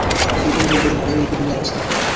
এই ইন্দ্রিয়গুলি মনেরই বিভিন্ন অবস্থা মাত্র।